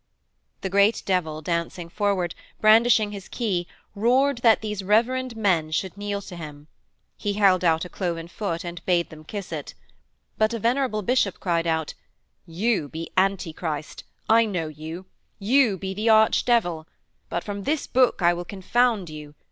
_' The great devil, dancing forward, brandishing his key, roared that these reverend men should kneel to him; he held out a cloven foot and bade them kiss it. But a venerable bishop cried out, 'You be Antichrist. I know you. You be the Arch Devil. But from this book I will confound you.